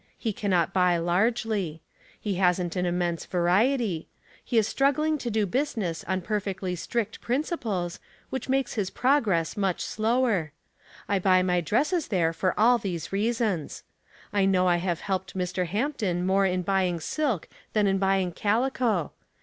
He cannot buy largely. He hasn't an immense variety. He is struggling to do business on perfectly strict principles, which makes his progress much slower. I hxxv my dresses there for all these reasons. I know I have helped Mr. Hampton more in buying silk than in buying calico.